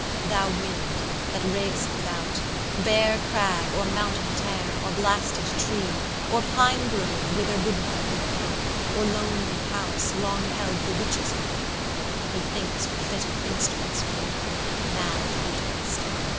Thou Wind, that rav'st without, Bare crag, or mountain tairn, or blasted tree, Or pine grove whither woodman never clomb, Or lonely house, long held the witches' home, Methinks were fitter instruments for thee, Mad Lutanist!